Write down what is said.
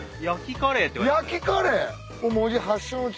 焼きカレー。